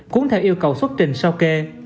cuốn theo yêu cầu xuất trình sao kê